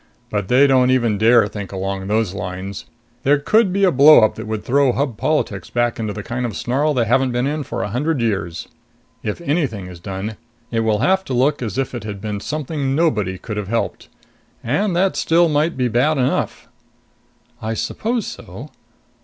But they don't even dare think along those lines. There could be a blowup that would throw Hub politics back into the kind of snarl they haven't been in for a hundred years. If anything is done, it will have to look as if it had been something nobody could have helped. And that still might be bad enough." "I suppose so.